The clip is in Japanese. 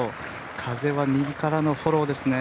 風は右からのフォローですね。